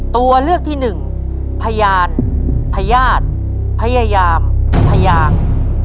ตัวเลือกที่หนึ่งพยานพญาติพยายามพยาง